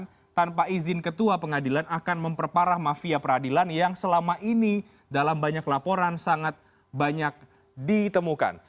dan persidangan tanpa izin ketua pengadilan akan memperparah mafia peradilan yang selama ini dalam banyak laporan sangat banyak ditemukan